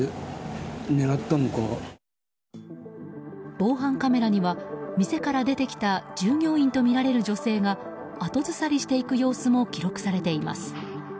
防犯カメラには店から出てきた従業員とみられる女性が後ずさりしていく様子も記録されています。